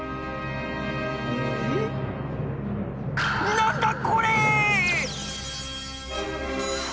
何だこれ！